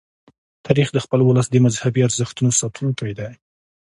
تاریخ د خپل ولس د مذهبي ارزښتونو ساتونکی دی.